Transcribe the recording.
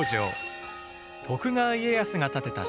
徳川家康が建てた城だ。